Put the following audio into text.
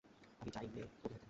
আমি চাই নে কবি হতে।